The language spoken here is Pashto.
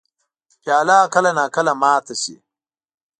پیاله کله نا کله ماته شي.